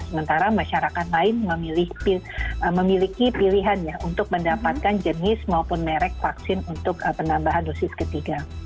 sementara masyarakat lain memiliki pilihan ya untuk mendapatkan jenis maupun merek vaksin untuk penambahan dosis ketiga